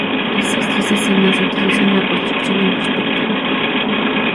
Estas tres escenas utilizan la construcción en perspectiva.